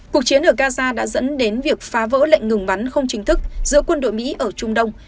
cuộc chiến ở gaza đã dẫn đến việc phá vỡ lệnh ngừng bắn không chính thức giữa quân đội mỹ ở trung đông